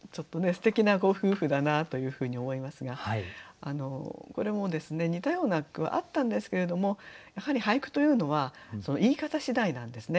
すてきなご夫婦だなというふうに思いますがこれも似たような句あったんですけれどもやはり俳句というのは言い方次第なんですね。